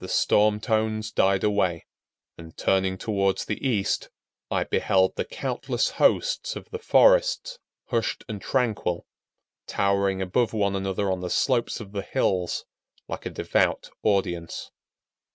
The storm tones died away, and, turning toward the east, I beheld the countless hosts of the forests hushed and tranquil, towering above one another on the slopes of the hills like a devout audience.